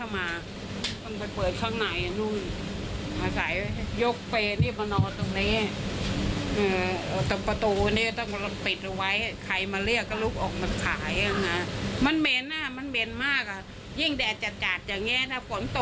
มันก็เหม็นแหละเนี่ยเออ